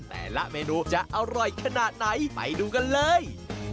แต่ละเมนูจะอร่อยขนาดไหนไปดูกันเลย